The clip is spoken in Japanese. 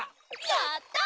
やった！